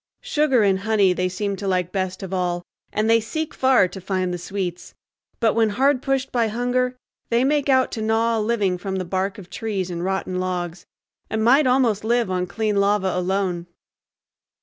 Sugar and honey they seem to like best of all, and they seek far to find the sweets; but when hard pushed by hunger they make out to gnaw a living from the bark of trees and rotten logs, and might almost live on clean lava alone.